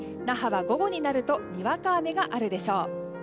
那覇は午後になるとにわか雨があるでしょう。